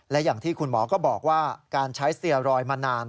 และอย่างที่คุณหมอก็บอกว่าการใช้สเตียรอยมานาน